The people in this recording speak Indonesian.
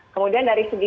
kemudian dari segi